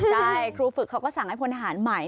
ใช่ครูฝึกเขาก็สั่งให้พลทหารใหม่